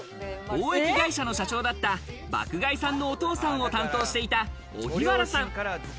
貿易会社の社長だった爆買いさんのお父さんを担当していた荻原さん。